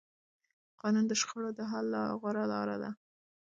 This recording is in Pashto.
قانون د شخړو د حل غوره لاره ده